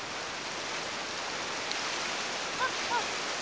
あっあっ。